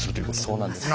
そうなんです。